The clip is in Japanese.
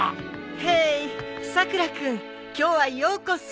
ヘーイさくら君今日はようこそ。